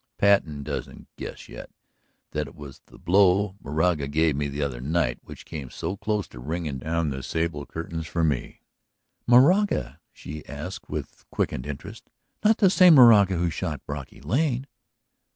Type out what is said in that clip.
Patten doesn't guess yet that it was the blow Moraga gave me the other night which came so close to ringing down the sable curtains for me." "Moraga?" she asked with quickened interest. "Not the same Moraga who shot Brocky Lane?"